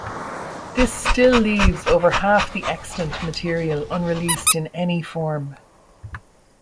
This still leaves over half the extant material unreleased in any form.